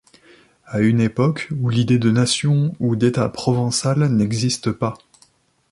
À une époque où l’idée de nation ou d’état provençal n’existe pas.